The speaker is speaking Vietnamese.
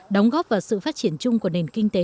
đóng góp vào sự phát triển chung của nền kinh tế